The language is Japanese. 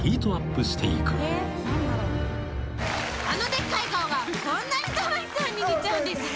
「あのでっかい顔がこんなに玉置さんに似ちゃうんですね」